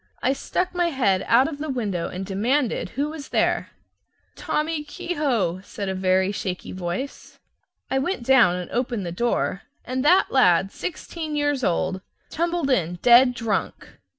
I stuck my head out of the window and demanded who was there. "Tommy Kehoe," said a very shaky voice. I went down and opened the door, and that lad, sixteen years old, tumbled in, dead drunk.